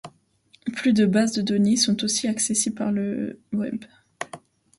Plus de bases de données sont aussi accessibles par le Web.